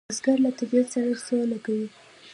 بزګر له طبیعت سره سوله کوي